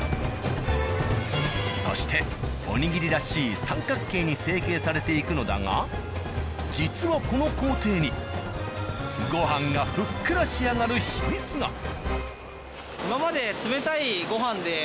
そしておにぎりらしい三角形に成形されていくのだが実はこの工程にご飯がふっくら仕上がる秘密が。